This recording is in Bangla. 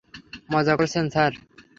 মজা করছেন, স্যার?